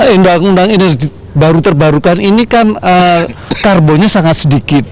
undang undang energi baru terbarukan ini kan karbonnya sangat sedikit